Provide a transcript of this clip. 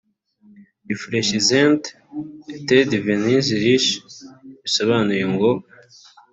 “Reflechissent et devenez Riche bisonuye ngo